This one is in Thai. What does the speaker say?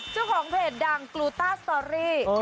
เจ้าของเพจดังกลูต้าสตอรี่